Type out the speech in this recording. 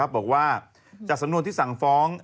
บอกว่าจากสำนวนที่สั่งฟ้อง